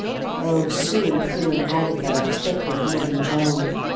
Oh, Sue and Prue and Agatha Are thick with Mig and Joan!